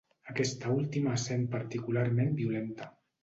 Aquesta última essent particularment violenta.